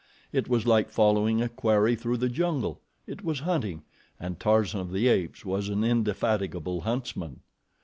It was like following a quarry through the jungle it was hunting, and Tarzan of the Apes was an indefatigable huntsman.